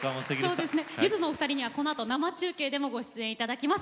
ゆずのお二人にはこのあと生中継でもご出演いただきます。